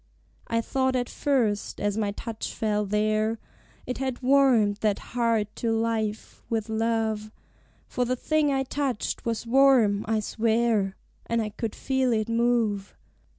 I thought at first, as my touch fell there, It had warmed that heart to life, with love; For the thing I touched was warm, I swear, And I could feel it move.